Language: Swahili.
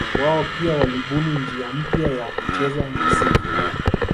Wao pia walibuni njia mpya ya kucheza mziki huo